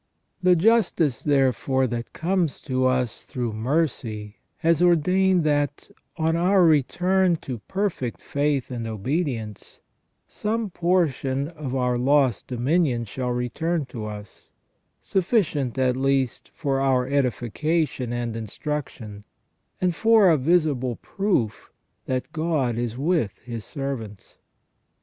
The justice, therefore, that comes to us through mercy has ordained that, on our return to perfect faith and obedience, some portion of our lost dominion shall return to us, sufficient, at least, for our edification and instruction, and for a visible proof that God is with His servants.